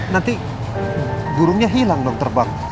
nanti burungnya hilang dong terbang